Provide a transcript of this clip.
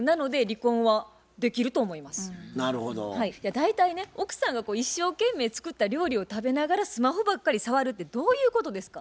大体ね奥さんが一生懸命作った料理を食べながらスマホばっかり触るってどういうことですか？